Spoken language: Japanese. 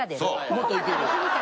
もっといける？